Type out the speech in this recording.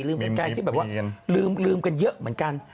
ไกลที่แบบว่าลืมกันเยอะเหมือนกัน